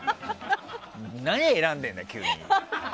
何を選んでるんだ、急に。